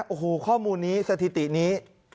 โอ้โหข้อมูลนี้เศรษฐีนี้